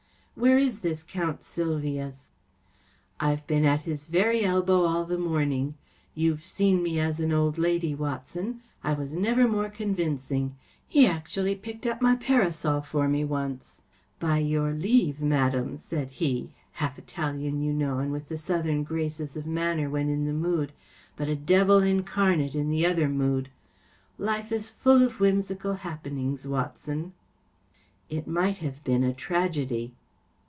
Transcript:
‚ÄĚ 44 Where is this Count Sylvius ? ‚ÄĚ 44 I've been at his very elbow all the morning. You've seen me as an old lady, UNIVERSITY 0 IICHIGAN * 291 A. Conan Doyle Watson. I was never more convincing. He actually picked up my parasol for me once. ' By your leave, madame,’ said he‚ÄĒhalf Italian, you know, and with the Southern graces of manner when in the mood, but a devil incarnate in the other mood. Life is full of whimsical happenings, Watson.‚ÄĚ “ It might have been tragedy.